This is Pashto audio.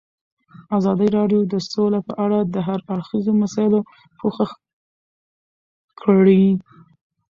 ازادي راډیو د سوله په اړه د هر اړخیزو مسایلو پوښښ کړی.